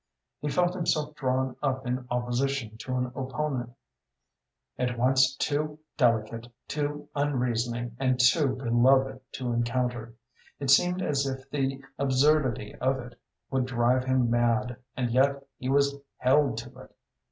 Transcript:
He felt himself drawn up in opposition to an opponent at once too delicate, too unreasoning, and too beloved to encounter. It seemed as if the absurdity of it would drive him mad, and yet he was held to it.